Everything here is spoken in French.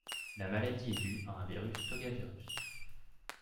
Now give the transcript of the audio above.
La maladie est due à un virus togavirus.